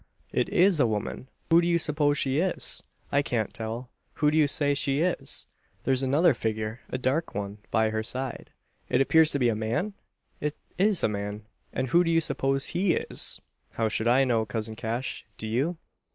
"It is a woman. Who do you suppose she is?" "I can't tell. Who do you say she is?" "There's another figure a dark one by her side." "It appears to be a man? It is a man!" "And who do you suppose he is?" "How should I know, cousin Cash? Do you?"